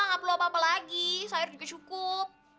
nggak perlu apa apa lagi sayur juga cukup